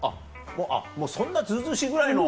あっもうそんなずうずうしいぐらいの。